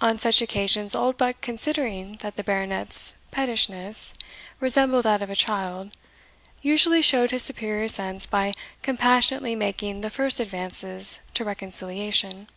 On such occasions, Oldbuck, considering that the Baronet's pettishness resembled that of a child, usually showed his superior sense by compassionately making the first advances to reconciliation.